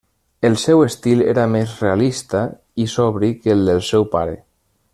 El seu estil era més realista i sobri que el del seu pare.